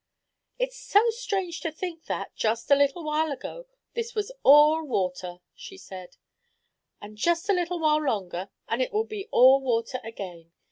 "It is so strange to think that, just a little while ago, this was all water," she said; "and just a little while longer, and it will be all water again.